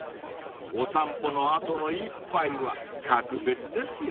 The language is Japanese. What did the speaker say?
［お散歩の後の一杯は格別ですよね］